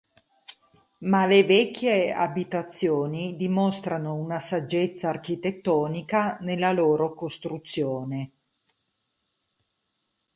Ma le vecchie abitazioni dimostrano una "saggezza" architettonica nella loro costruzione.